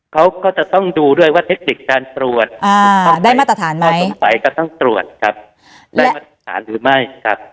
เขาก็จะต้องดูด้วยว่าเทคนิคการตรวจต้องไปก็ต้องตรวจครับได้มาตรฐานหรือไม่ครับ